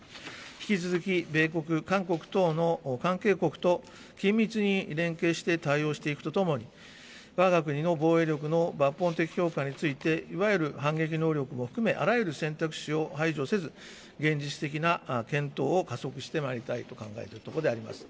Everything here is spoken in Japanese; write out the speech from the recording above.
引き続き、米国、韓国等の関係国と緊密に連携して対応していくとともに、わが国の防衛力の抜本的強化について、いわゆる反撃能力も含め、あらゆる選択肢を排除せず、現実的な検討を加速してまいりたいと考えているところであります。